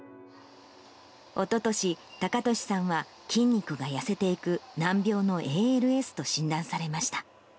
おととし、隆敏さんは筋肉が痩せていく難病のＡＬＳと診断されました。